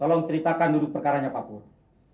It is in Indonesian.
tolong ceritakan dulu perkaranya pak purn